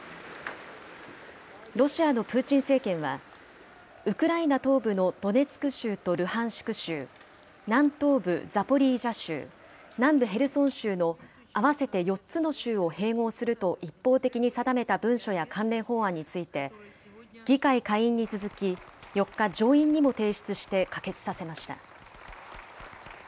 ロシアのプーチン政権は、ウクライナ東部のドネツク州とルハンシク州、南東部ザポリージャ州、南部ヘルソン州の合わせて４つの州を併合すると一方的に定めた文書や関連法案について、議会下院に続き、４日、上院にも提出して可決させました。